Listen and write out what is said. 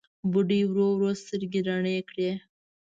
بوډۍ ورو ورو سترګې رڼې کړې.